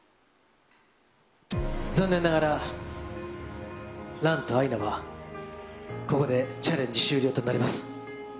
残念ながら、ランとアイナは、ここでチャレンジ終了となります。